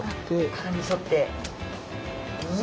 殻に沿って。